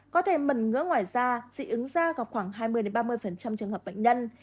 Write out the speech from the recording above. có thể mẩn ngỡ ngoài da dị ứng da gặp khoảng hai mươi ba mươi trường hợp bệnh nhân